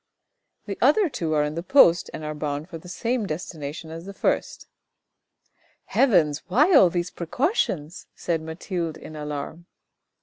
"The other two are in the post and are bound for the same destination as the first." " Heavens, why all these precautions ?" said Mathilde in alarm.